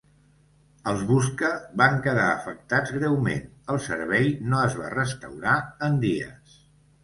Els busca van quedar afectats greument; el servei no es va restaurar en dies.